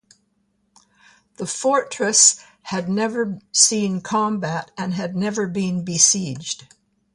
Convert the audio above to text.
The fortress had never seen combat and had never been besieged.